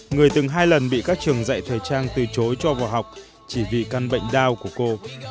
người từng hai lần bị các trường dạy thời trang từ chối cho vào học chỉ vì căn bệnh đau của cô